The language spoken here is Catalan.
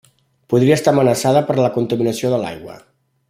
Podria estar amenaçada per la contaminació de l'aigua.